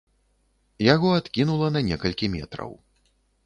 Яго адкінула на некалькі метраў.